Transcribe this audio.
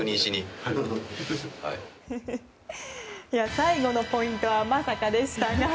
最後のポイントはまさかでしたが。